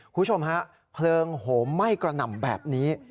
คุณผู้ชมฮะเพลิงโหมไหม้กระหน่ำแบบนี้